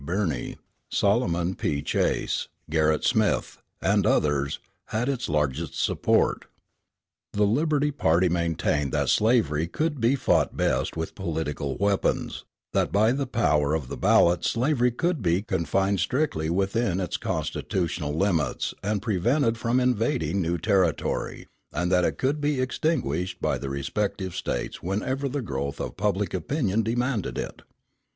Birney, Salmon P. Chase, Gerrit Smith, and others, had its largest support. The Liberty party maintained that slavery could be fought best with political weapons, that by the power of the ballot slavery could be confined strictly within its constitutional limits and prevented from invading new territory, and that it could be extinguished by the respective States whenever the growth of public opinion demanded it.